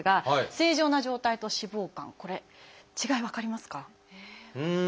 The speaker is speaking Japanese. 正常な状態と脂肪肝これ違い分かりますか？